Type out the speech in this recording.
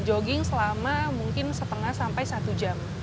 jogging selama mungkin setengah sampai satu jam